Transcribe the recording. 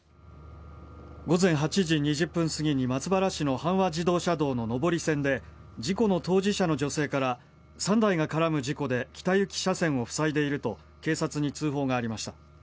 午前８時２０分すぎに松原市の阪和自動車道の上り線で事故の当事者の女性から３台が絡む事故で北行き車線をふさいでいると警察に通報がありました。